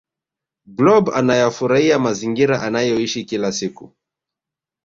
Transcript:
blob anayafuraia mazingira anayoishi kila siku